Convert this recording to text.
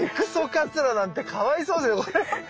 カズラなんてかわいそうですこれ。